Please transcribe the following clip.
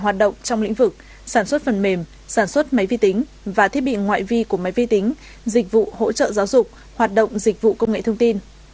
hoạt động trong lĩnh vực sản xuất phần mềm sản xuất máy vi tính và thiết bị ngoại vi của máy vi tính dịch vụ hỗ trợ giáo dục hoạt động dịch vụ công nghệ thông tin